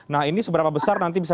nah ini seberapa besar nanti bisa